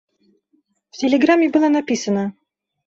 В телеграмме было написано: